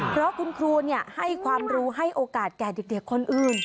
เพราะคุณครูให้ความรู้ให้โอกาสแก่เด็กคนอื่น